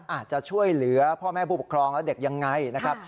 อาจจะช่วยเหลือพ่อแม่ผู้ปกครองและเด็กยังไงนะครับ